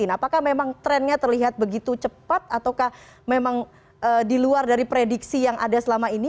apakah memang trennya terlihat begitu cepat ataukah memang di luar dari prediksi yang ada selama ini